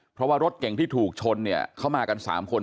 เพราะว่ารถเก่งที่ถูกชนเนี่ยเขามากัน๓คน